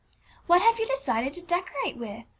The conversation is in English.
" What have you decided to decorate with